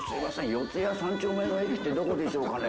四谷三丁目の駅ってどこでしょうかね？」。